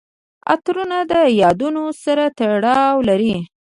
عطرونه د یادونو سره تړاو لري.